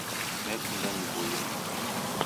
Nekunda niboilo